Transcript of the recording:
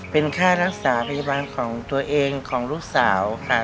เป็นค่ารักษาพยาบาลของตัวเองของลูกสาวค่ะ